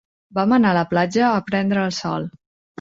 Vam anar a la platja a prendre el sol.